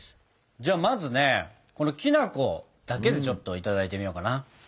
じゃあまずねこのきな粉だけでちょっといただいてみようかな。